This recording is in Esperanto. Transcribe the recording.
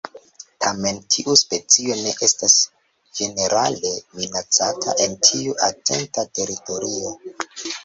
Tamen, tiu specio ne estas ĝenerale minacata en sia etenda teritorio.